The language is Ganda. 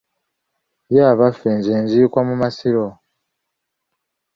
Ye abaffe, nze nziikwa mu Masiro?